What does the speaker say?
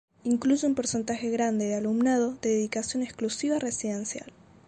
Incluye un porcentaje grande de alumnado de dedicación exclusiva residencial.